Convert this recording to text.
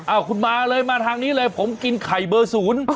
คุณมาเลยมาทางนี้เลยผมกินไข่เบอร์ศูนย์